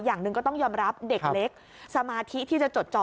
อย่างหนึ่งก็ต้องยอมรับเด็กเล็กสมาธิที่จะจดจอ